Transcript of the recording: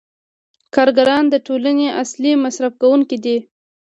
کارګران د ټولنې اصلي مصرف کوونکي دي